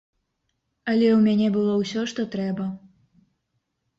Але ў мяне было ўсё, што трэба.